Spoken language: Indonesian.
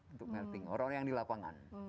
untuk melting orang orang yang di lapangan